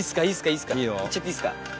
いいよ。いっちゃっていいっすか。